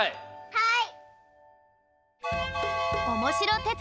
はい！